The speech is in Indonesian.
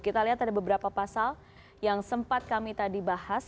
kita lihat ada beberapa pasal yang sempat kami tadi bahas